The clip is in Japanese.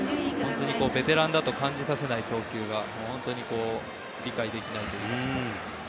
ベテランだと感じさせない投球が本当に理解できないといいますか。